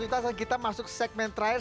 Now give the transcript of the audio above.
kita masuk segmen terakhir